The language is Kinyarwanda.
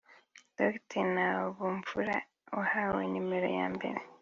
Dr Ntabomvura wahawe nimero ya mbere